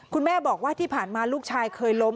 คุณแม่บอกว่าที่ผ่านมาลูกชายเคยล้ม